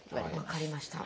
分かりました。